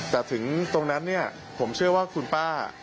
แต่ถึงตรงนั้นเนี่ยผมเชื่อว่าคุณป้า